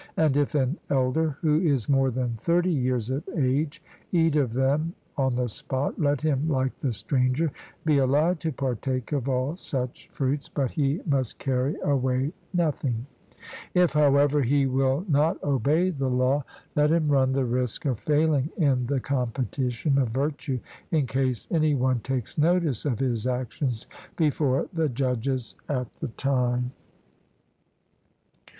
And if an elder, who is more than thirty years of age, eat of them on the spot, let him, like the stranger, be allowed to partake of all such fruits, but he must carry away nothing. If, however, he will not obey the law, let him run the risk of failing in the competition of virtue, in case any one takes notice of his actions before the judges at the time.